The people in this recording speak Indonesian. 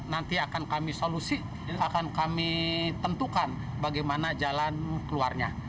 nanti akan kami solusi akan kami tentukan bagaimana jalan keluarnya